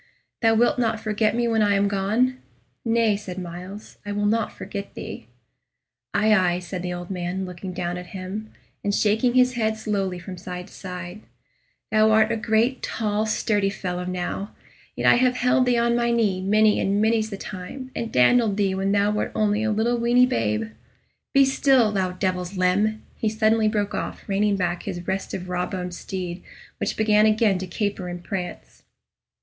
"Thou wilt not forget me when I am gone?" "Nay," said Myles; "I will not forget thee." "Aye, aye," said the old man, looking down at him, and shaking his head slowly from side to side; "thou art a great tall sturdy fellow now, yet have I held thee on my knee many and many's the time, and dandled thee when thou wert only a little weeny babe. Be still, thou devil's limb!" he suddenly broke off, reining back his restive raw boned steed, which began again to caper and prance.